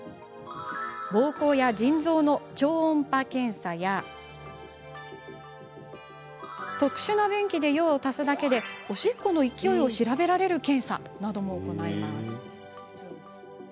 ぼうこうや腎臓の超音波検査や特殊な便器で用を足すだけでおしっこの勢いを調べられる検査なども行います。